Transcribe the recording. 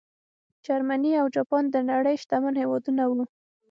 جرمني او جاپان د نړۍ شتمن هېوادونه وو.